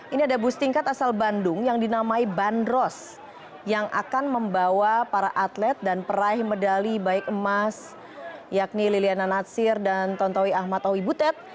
ini ada bus tingkat asal bandung yang dinamai bandros yang akan membawa para atlet dan peraih medali baik emas yakni liliana natsir dan tontowi ahmad owi butet